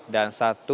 dan satu terdakwa